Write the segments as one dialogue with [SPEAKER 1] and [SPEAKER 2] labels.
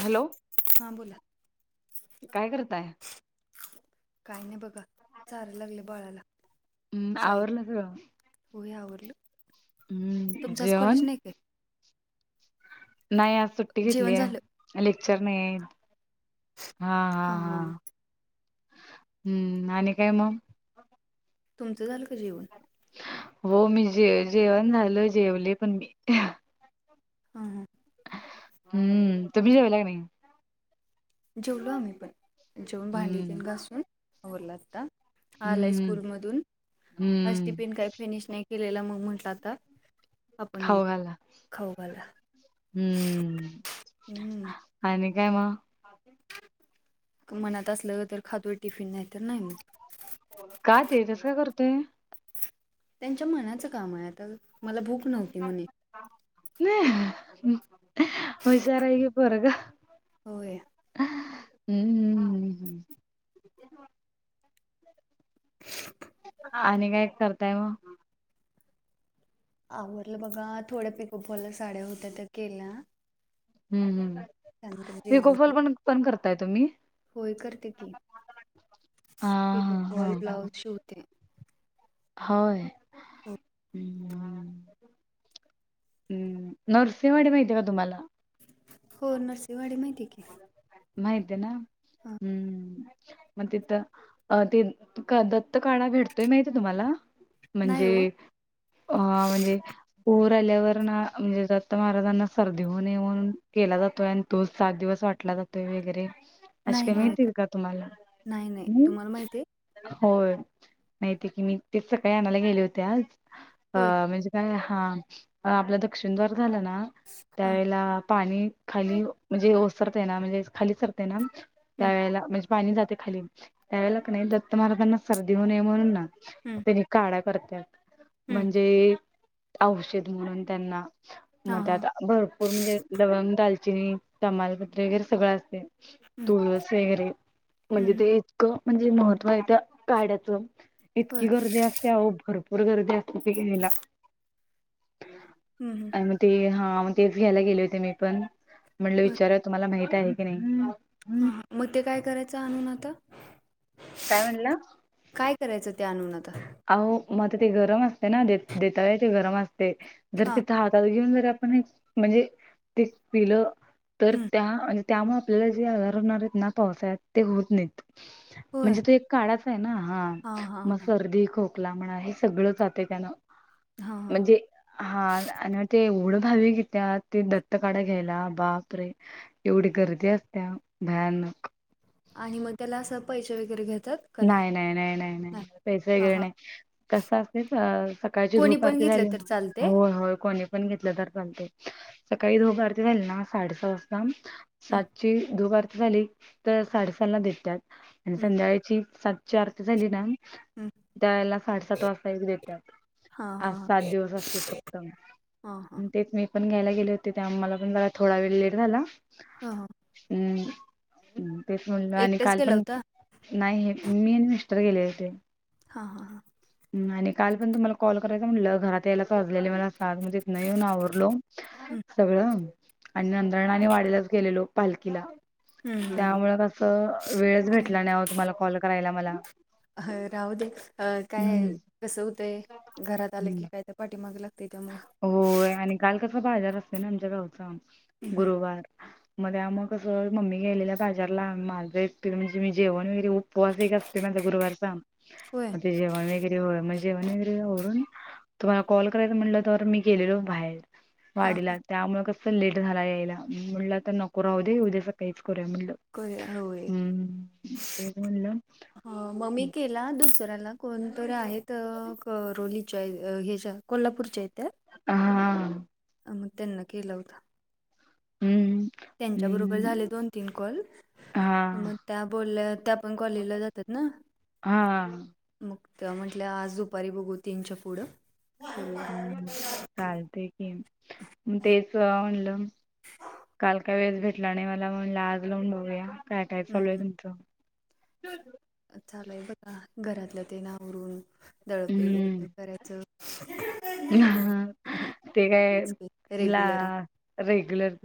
[SPEAKER 1] Hello,
[SPEAKER 2] हां बोला
[SPEAKER 1] काय करताय?
[SPEAKER 2] काय नाही बघा, चाराय लागले बाळाला.
[SPEAKER 1] हम्म, आवरल सगळ?
[SPEAKER 2] होय आवरल.
[SPEAKER 1] हम्म
[SPEAKER 2] तुमच आज
[SPEAKER 1] जेवण
[SPEAKER 2] कॉलेज नई काय?
[SPEAKER 1] नाही आज सुट्टी
[SPEAKER 2] जेवण
[SPEAKER 1] घेतल्या,
[SPEAKER 2] झालं
[SPEAKER 1] लेक्चर नईत. हा हा
[SPEAKER 2] हां हां
[SPEAKER 1] हा, हम्म आणि काय मग?
[SPEAKER 2] तुमचं झालं का जेवण?
[SPEAKER 1] हो मी जे जेवण झाल, जेवले पण मी.
[SPEAKER 2] हा, हां.
[SPEAKER 1] हम्म तुम्ही जेवला का नाही.
[SPEAKER 2] जेवलो आम्ही पण, जेवून भांडी
[SPEAKER 1] हम्म
[SPEAKER 2] तेन घासून आवरला आता. आलाय
[SPEAKER 1] हम्म
[SPEAKER 2] स्कूल मधून, आज
[SPEAKER 1] हम्म
[SPEAKER 2] टिफिन काही फिनिश नाही केलेला, मग म्हटलं आता. आपण
[SPEAKER 1] खाऊ घा ना,
[SPEAKER 2] खाऊ घाला
[SPEAKER 1] हम्म.
[SPEAKER 2] हम्म.
[SPEAKER 1] आणि काय मग?
[SPEAKER 2] मनात असलं, तर खातो टिफिन नाही तर नाही मग.
[SPEAKER 1] का ते तसं का करतोय.
[SPEAKER 2] त्यांच्या मनाचं काम आहे, आता मला भूक नव्हती म्हणे
[SPEAKER 1] नाही, हुशार हाय की पोरग.
[SPEAKER 2] होय.
[SPEAKER 1] हम्म, हम्, ह्. आणि काय करताय मग?
[SPEAKER 2] आवरडलं बघा, थोड्या पिको-फॉलासाड्या होत्या त्या केल्या.
[SPEAKER 1] हम्म, हम,
[SPEAKER 2] त्यानंतर जेवण करून
[SPEAKER 1] पीको-फॉल पण पण करताय तुम्ही?
[SPEAKER 2] होय करते की,
[SPEAKER 1] हा
[SPEAKER 2] फॉल
[SPEAKER 1] हा हा
[SPEAKER 2] लब्लाउज शिवते.
[SPEAKER 1] होय.
[SPEAKER 2] हम्म.
[SPEAKER 1] हम, नरसिंहवाडी माहिती आहे का तुम्हाला?
[SPEAKER 2] हो नरसिंहवाडी माहिती की.
[SPEAKER 1] माहिती ये ना,
[SPEAKER 2] हा
[SPEAKER 1] हम्म. मग तिथं, ते दत्त काढा भेटतोय माहितीये तुम्हाला?
[SPEAKER 2] नाही
[SPEAKER 1] म्हणजे.
[SPEAKER 2] हो
[SPEAKER 1] अ म्हणजे. पुर आल्यावर ना, म्हणजे दत्ता महाराजांना सर्दी होऊ नये म्हणून केला जातोय, आणि तो सात दिवस वाटला जातोय वगैरे. अशे
[SPEAKER 2] नाही
[SPEAKER 1] किनय
[SPEAKER 2] मिळत
[SPEAKER 1] तिरका तुम्हाला
[SPEAKER 2] नाही नाही
[SPEAKER 1] हम.
[SPEAKER 2] तुम्हाला माहिती आहे
[SPEAKER 1] होय माती की मी तेच सकाळी आणायला गेले होते आज अ
[SPEAKER 2] होय
[SPEAKER 1] म्हणजे काय हा आपलं दक्षिणद्वार झाला ना
[SPEAKER 2] हा
[SPEAKER 1] त्यावेेळेला पाणी खाली म्हणजे ओसरते ना म्हणजे खाली सरते ना
[SPEAKER 2] हम्म
[SPEAKER 1] त्यावेेळेला म्हणजे पाणी जातयं खाली, त्यावेळेला कनय दत्त महारांना सर्दी होऊ नये म्हणून ना.
[SPEAKER 2] हम्म
[SPEAKER 1] काढा करत्यात,
[SPEAKER 2] हम्म
[SPEAKER 1] म्हणजे औषध म्हणून त्यांना.
[SPEAKER 2] हा
[SPEAKER 1] मग
[SPEAKER 2] हा
[SPEAKER 1] त्यात भरपूर म्हणजे लवंग, दालचिनी, तमालपत्री वगैरे सगळं असतयं.
[SPEAKER 2] हम्म
[SPEAKER 1] तुळस वगैरे
[SPEAKER 2] हम्म
[SPEAKER 1] म्हणजे
[SPEAKER 2] हम्म
[SPEAKER 1] ते इ म्हणजे महत्त्व आहे तर काड्याच
[SPEAKER 2] होय
[SPEAKER 1] इतकी गर्दी असते भरपूर गर्दी असते कपिकला
[SPEAKER 2] हम्म हम्म
[SPEAKER 1] आणि मग ते हा मग तेच घ्यायला गेले होते मी पण म्हणलं
[SPEAKER 2] होय
[SPEAKER 1] विचारा तुम्हाला माहित आहे की नाही
[SPEAKER 2] हा मग ते काय करायचं आणून आता
[SPEAKER 1] काय म्हणलं
[SPEAKER 2] काय करायचं त्या आणून आता
[SPEAKER 1] अहो मता ते गरम असते ना देता ते गरम असते जर
[SPEAKER 2] हा
[SPEAKER 1] तिथं हातात घेऊन जर पण एक म्हणजे ते पिलं तर
[SPEAKER 2] हम्म
[SPEAKER 1] त्या त्यामुळे आपल्याला जे आजार होणार आहेत ना पावसा्यात ते होत नाहीत
[SPEAKER 2] होय
[SPEAKER 1] म्हणजे तो एक काळाच आहे ना हा
[SPEAKER 2] हा
[SPEAKER 1] मग
[SPEAKER 2] हा
[SPEAKER 1] सर्दी खोकला म्हणा हे सगळ जाते त्यान
[SPEAKER 2] हा हा हा
[SPEAKER 1] म्हणजे. हा आणि मग ते एवढं भावी की त्या ते दत्तकाढा घ्यायला बाप रे एवढी गर्दी असते भयानक
[SPEAKER 2] आणि मग त्याला असं पैसे वगैरे घेतात
[SPEAKER 1] नाही नाही नाही नाही नाही पैसे
[SPEAKER 2] हा
[SPEAKER 1] वग
[SPEAKER 2] हा
[SPEAKER 1] नाही कस असते सकाळची
[SPEAKER 2] कोणी पण
[SPEAKER 1] धुपारती
[SPEAKER 2] घेतलं
[SPEAKER 1] झाली
[SPEAKER 2] तर चालते
[SPEAKER 1] हो होय कोणी पण घेतलं तर चालत सकाळी द बार ते झाले ना साडेस वाजता
[SPEAKER 2] हम्म
[SPEAKER 1] सातची दुपार झाली तर साडेसातला देतात आणि
[SPEAKER 2] हम्म
[SPEAKER 1] संध्याकाची सातची आरती झाली ना
[SPEAKER 2] हम्म
[SPEAKER 1] त्या वळेला साडेसात वाजता एक देतात
[SPEAKER 2] हा हा
[SPEAKER 1] आज सात दिवस असते फक्त
[SPEAKER 2] हा हा हा
[SPEAKER 1] ते मी पण घ्यायला गेले होते ते आम्हाला पण झाला थोडा वेळ लेट झाला
[SPEAKER 2] हा हा
[SPEAKER 1] हम् तेच म्हणल आणि
[SPEAKER 2] एकटेच
[SPEAKER 1] काल
[SPEAKER 2] गेला
[SPEAKER 1] पण
[SPEAKER 2] होता
[SPEAKER 1] नाही हे मी आणि मिस्टर गेले होते
[SPEAKER 2] हा हा हां
[SPEAKER 1] ह आणि काल पण तुम्हाला कॉल करायचा म्हटलं घरात यायलाच असलेले मला साथ मजत नाही येऊन आवरलो
[SPEAKER 2] हं
[SPEAKER 1] सगळं आणि नंदणा आणि वाढला पा
[SPEAKER 2] हं हं हं
[SPEAKER 1] त्यामुळे क वेळ
[SPEAKER 2] घेऊन
[SPEAKER 1] भेटला नाही तुम्हाला कल करायला मला
[SPEAKER 2] अ राहू दे काय
[SPEAKER 1] हम्म
[SPEAKER 2] कसं होतंय घरात आलं
[SPEAKER 1] हम्म
[SPEAKER 2] की काय तर पाठीमाग लागते ते
[SPEAKER 1] होय आणि काल कसा बाजार असत ना आमच्या गावचा
[SPEAKER 2] हं हं
[SPEAKER 1] गुरुवार मध्ये मग कसं मम्मी गेलेल्या बाजारला माझ म्हणजे मी जेवण वगैेप उवास असत म्हला गुरुवारचा
[SPEAKER 2] होय
[SPEAKER 1] जेवण वगर जे वगर तु कल म्हटलं तर मी गेलेलो बाहेर
[SPEAKER 2] हां
[SPEAKER 1] वाडीला त्यामुळे कसं लेट झाला यायला म्हटलं आता नको राहू दे उद्याचं काहीच करूया म्हटलं
[SPEAKER 2] होय
[SPEAKER 1] हम्म तेच म्हणलं
[SPEAKER 2] मम्मी केले ला दुसऱ्याला कोणतरी आहेत कररोलीच्या ह्याच्या कोल्हापूरच्या येत्या
[SPEAKER 1] हा
[SPEAKER 2] मग त्यांना केला होता
[SPEAKER 1] हम्म
[SPEAKER 2] त्यांच्या बरोबर झाले
[SPEAKER 1] हम्म
[SPEAKER 2] दोन तीन कॉल
[SPEAKER 1] हा
[SPEAKER 2] मग त्या बोलल्या त्या पण कॉलेजला जातात ना
[SPEAKER 1] हा
[SPEAKER 2] मग म्हटलं आज दुपारी बघू तीनच्या पुढं
[SPEAKER 1] हम् चालते की मग तेच म्हणलं काल काय वेळेस भेटला नाही मला म लाज लावून बघूया काय काय चालू आहे
[SPEAKER 2] हं
[SPEAKER 1] तुमचं
[SPEAKER 2] चालय बघा घरातल्या ते नावरून दळप
[SPEAKER 1] हम्म.
[SPEAKER 2] वगैरे करायचं क्रिकट
[SPEAKER 1] ते काय ला
[SPEAKER 2] आहे
[SPEAKER 1] रेग्युलर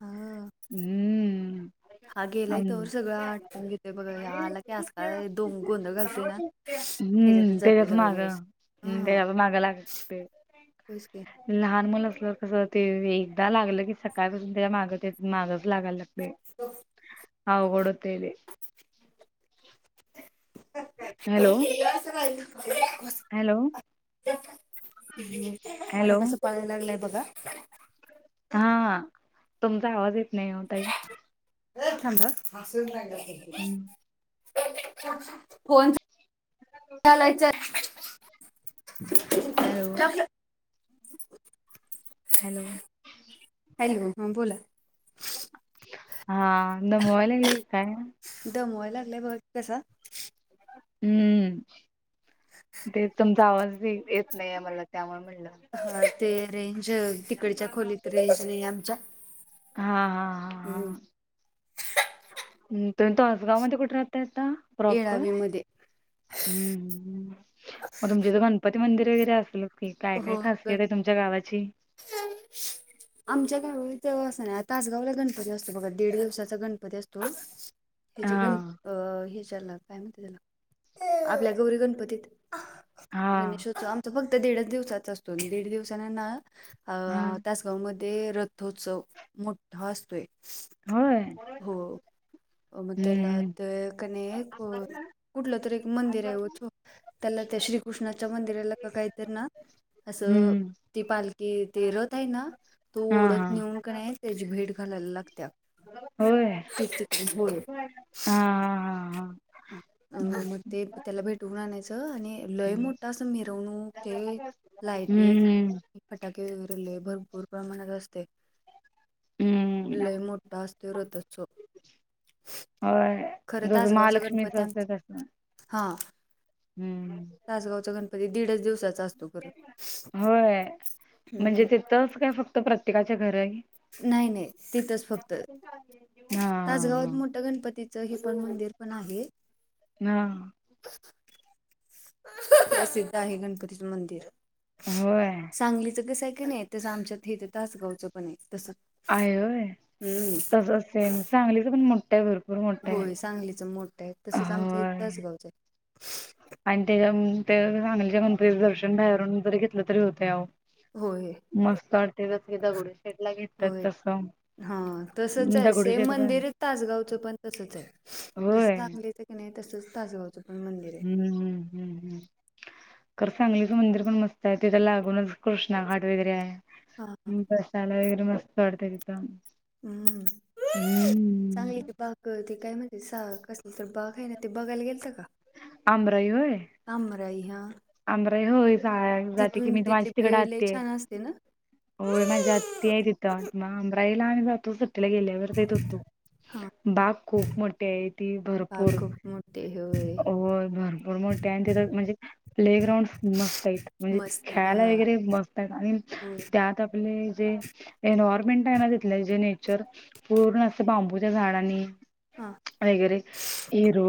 [SPEAKER 2] हा
[SPEAKER 1] हम्म
[SPEAKER 2] हा गेलाय तर
[SPEAKER 1] आणि-
[SPEAKER 2] सगळं आटकून घेतय बघ आला की आज का दोन गोंध घालतय ना
[SPEAKER 1] हम्म
[SPEAKER 2] ह्याच्यातच जातोय
[SPEAKER 1] त्याच्याच
[SPEAKER 2] सगळा
[SPEAKER 1] मागं
[SPEAKER 2] दिवस
[SPEAKER 1] हम् त्याच्या प मागं लागते
[SPEAKER 2] बसके
[SPEAKER 1] लहान मुल असलं कस ते एकदा लागलं की सकाळपासून त्याच्या मागत य मागच लागायला लागते
[SPEAKER 2] हो
[SPEAKER 1] हा ोडतली हॅलो
[SPEAKER 2] का
[SPEAKER 1] हॅलो
[SPEAKER 2] ह् आता
[SPEAKER 1] हॅलो
[SPEAKER 2] कस पाळायला लागलंय बघा
[SPEAKER 1] हा तुमचा आवाज येत नाही होताई हम्म.
[SPEAKER 2] फन लायच
[SPEAKER 1] हॅलो हॅलो
[SPEAKER 2] हॅलो हा बोला
[SPEAKER 1] हा न मोबाईल ल काय
[SPEAKER 2] दमवायला लागलंय बघ कसा
[SPEAKER 1] हम्म ते तुमचा आवाज येत नाही आहे मला त्यामुळे म्हणलं
[SPEAKER 2] ह ते रेंज तिकडच्या खोलीत रेंज नाही आमच्या
[SPEAKER 1] हा हा हा हा
[SPEAKER 2] ह
[SPEAKER 1] तु तो आसगाव मध्ये कुठे राहताय आता प्रॉपर
[SPEAKER 2] येळावीमध्ये
[SPEAKER 1] मग तुमच तर गणपती मंदिर वगैरे असल क काय काय खासियत आहे तुमच्या गावाची
[SPEAKER 2] हा आमच्या गाव ते असत ना तासगावला गणपती असतो बघा दीड दिवसाचा गणपती असतो
[SPEAKER 1] [inaudible]
[SPEAKER 2] ह्याच्या गण अ ह्याच्याला काय म्हहि त्याला आपल्या गौरी गणपतीत
[SPEAKER 1] हा
[SPEAKER 2] गणेशोत्सव आमचा फक्त दीडच दिवसाचा असतो आणि दीड दिवसाना ना
[SPEAKER 1] हा
[SPEAKER 2] अ तासगाव मध्ये रथोत्सव मोठा असतोय
[SPEAKER 1] होय
[SPEAKER 2] हो मग त्याला
[SPEAKER 1] हम्म
[SPEAKER 2] ते कने कुठलं तरी एक मंदिर आहेव त त्याला त्या श्रीकृष्णाच्या मंदिराला का काहीत ना असं
[SPEAKER 1] हम्म
[SPEAKER 2] ती पालखी ते रत आहे ना तू
[SPEAKER 1] हा
[SPEAKER 2] ओढत
[SPEAKER 1] हा
[SPEAKER 2] नि त्याची भेट घालायला लागत
[SPEAKER 1] होय हा हा हा हा
[SPEAKER 2] हम अ मग ते त्याला भेटवून आणायचं आणि लय
[SPEAKER 1] हम्म
[SPEAKER 2] मोठा अस मिरवणूक ते लाइटिंग
[SPEAKER 1] हम्म
[SPEAKER 2] फटाके वगैरेले भरपूर प्रमाणात असते
[SPEAKER 1] हम्म
[SPEAKER 2] ला मोोठा स्थिरतचो
[SPEAKER 1] होय जस
[SPEAKER 2] तासगावचा
[SPEAKER 1] महालक्ष्मीच
[SPEAKER 2] गणपती
[SPEAKER 1] असत
[SPEAKER 2] आमचा
[SPEAKER 1] तस
[SPEAKER 2] हा
[SPEAKER 1] हम्म
[SPEAKER 2] तासगावचा गणपती दीडच दिवसाचा असतो खरं हम्
[SPEAKER 1] तरच काय फक्त प्रत्येकाच्या घर आहे
[SPEAKER 2] नाही नाही तथच फक्त
[SPEAKER 1] हा
[SPEAKER 2] तासगावात
[SPEAKER 1] हा
[SPEAKER 2] मोठं गणपतीच हे पण मंदिर पण आहे
[SPEAKER 1] ह
[SPEAKER 2] प्रसिद्ध आहे गणपतीचं मंदिर
[SPEAKER 1] होय
[SPEAKER 2] सांगलीचं कसं आहे का नाही तसं आमच्यातथ तासगावचं पण आहे तसं
[SPEAKER 1] आहे होय
[SPEAKER 2] हम्म
[SPEAKER 1] तसे सांगलीच पण मोठा आहे भर
[SPEAKER 2] होय सांगलीचं मोठं आहे तसंच आमचं हे
[SPEAKER 1] होय
[SPEAKER 2] तचगावचं आहे
[SPEAKER 1] आणि त्याच्या चांगल्याच्या गणपतीच दर्शन बाहेरून जरी घेतलं तरी होत अह
[SPEAKER 2] होय
[SPEAKER 1] मस्त आरतेेलच क दगडे त्या
[SPEAKER 2] होय
[SPEAKER 1] तसं
[SPEAKER 2] हा तसच आहे सेम
[SPEAKER 1] दगडूशेठ पण
[SPEAKER 2] मंदिरच तासगावचं पण तसच आहे जस
[SPEAKER 1] होय
[SPEAKER 2] चांगलं आणि नाही तसच तासगावचं पण मंदिर आहे
[SPEAKER 1] हम्म हम्म हम्म हम्म कर सांगलीचं मंदिर पण मस्त आहे तिथ लागूनच कृष्णा घाट वगैरे
[SPEAKER 2] हा
[SPEAKER 1] आहे बसाला वगैरे मस्त वाडत तिथं
[SPEAKER 2] हम्म चांगली
[SPEAKER 1] हम्म
[SPEAKER 2] य बाग ते काय म्हण सा कसली तर बाघ आहे ना ते बघायला गेल तर का
[SPEAKER 1] आंमराई होय
[SPEAKER 2] कम राही हां
[SPEAKER 1] आंमराई होय जाते की मी माझ्या
[SPEAKER 2] तिथली
[SPEAKER 1] तिकडे
[SPEAKER 2] भेळ लय
[SPEAKER 1] आते
[SPEAKER 2] छान असते ना
[SPEAKER 1] होय माझ्या आत्ती आहे तिथं मग अंमराईला आणि जातो सुटीला गेल्या होत
[SPEAKER 2] हा
[SPEAKER 1] बाग खूप मोठी आहे ती भरपूर
[SPEAKER 2] खूप मोठे होय
[SPEAKER 1] हो भरपूर मोठे आणि तिथं म्हणजे प्ले ग्राउंड मस्त आहेत म्हणजे
[SPEAKER 2] मस्त
[SPEAKER 1] खेळायला
[SPEAKER 2] हा
[SPEAKER 1] वगैरे मस्त आहेत आणि
[SPEAKER 2] होय
[SPEAKER 1] त्यात आपले जे एन्वयरमेंट आहे ना तिथले जे नेचर पुरून असं बांबूच्या झाडांनी
[SPEAKER 2] हां
[SPEAKER 1] वगैरे हिर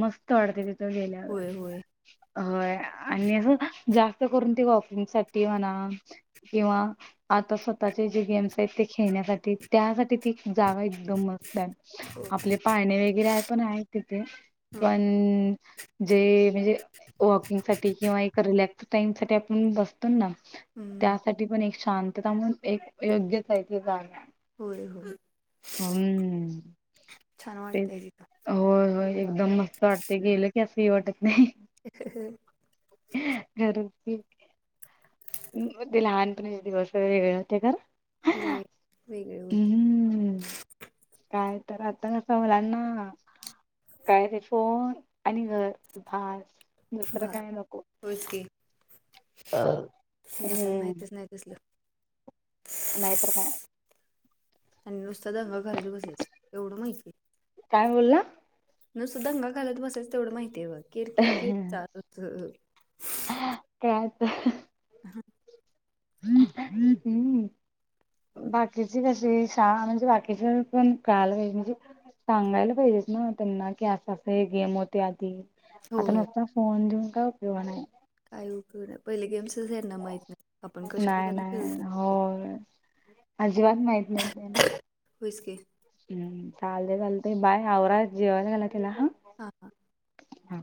[SPEAKER 1] मस्त वाढते तिथं
[SPEAKER 2] होय
[SPEAKER 1] गेल्यावर
[SPEAKER 2] होय
[SPEAKER 1] होय आणि असं जास्त करून ती वॉकिंग साठी म्हणा किंवा आता स्वतःचे जे गेम्स आहेत ते खेळण्यासाठी त्यासाठी ती जागा एकदम मस्त आहे
[SPEAKER 2] हो
[SPEAKER 1] आपले पाळणे वगैरे पण आहे तिथे
[SPEAKER 2] हा
[SPEAKER 1] पण जे म्हणजे ओके ब
[SPEAKER 2] हम्म
[SPEAKER 1] त्या पण एक शांतता म्हण एक योग्य आहे तेे जाण
[SPEAKER 2] होय होय
[SPEAKER 1] हम्
[SPEAKER 2] छान
[SPEAKER 1] ते
[SPEAKER 2] वाटतंय
[SPEAKER 1] होय हो एकदम मस्त वाटते गेलं की असंही वाटत नाही
[SPEAKER 2] ह ह
[SPEAKER 1] कररची ग ते लहानपणाचे दिवस वगैरेगळे होते ख
[SPEAKER 2] हो आहे
[SPEAKER 1] हम्म काय तर आता कस मलांना काय ते फोन आणि घर भास दुसरं काय नको
[SPEAKER 2] होच की नाही आता
[SPEAKER 1] हम्म
[SPEAKER 2] माहितच नाही तसल
[SPEAKER 1] न नाहीयतरक
[SPEAKER 2] आणि नुसता दंग घरात बसेयच एवढं माहिती आहे
[SPEAKER 1] काय बोल ना
[SPEAKER 2] नुस दंगा घालत बसायच तेवढं माहितीय व किर किर किर चालू
[SPEAKER 1] काय तर
[SPEAKER 2] हा
[SPEAKER 1] हम्म हम् हम् बाकीची कशी श म्हणजे बाकीच पण कळाला पाहिजे. म्हणजे सांगायला पाहिजेत. ना त्यांना की असं असं हे गेम होते आधी आता
[SPEAKER 2] होय
[SPEAKER 1] नुसता फोन देऊन काय उपयोग हाय
[SPEAKER 2] काय उप नाही पहिले गेम्सच आहे ना माहित नाही. आपण कशा
[SPEAKER 1] नाही
[SPEAKER 2] कशाने
[SPEAKER 1] नाही
[SPEAKER 2] खेळतो
[SPEAKER 1] होय अजिबात माहत नाही त्यां
[SPEAKER 2] होयच की
[SPEAKER 1] हम्म चालते चालते बाय आवरा जेवायला गेला तिला हा
[SPEAKER 2] हां हां
[SPEAKER 1] हा.